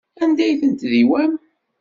Anda ay ten-tdiwam?